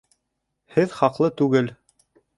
Һеҙ хаҡлы түгел.